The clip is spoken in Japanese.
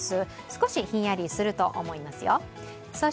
少しひんやりすると思いますよ。